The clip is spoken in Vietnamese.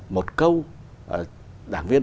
một câu đảng viên